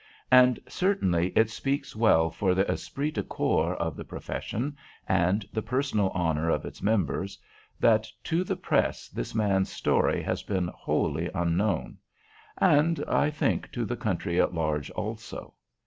And certainly it speaks well for the esprit de corps of the profession, and the personal honor of its members, that to the press this man's story has been wholly unknown, and, I think, to the country at large also.